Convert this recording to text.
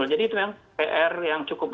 jadi itu yang pr yang cukup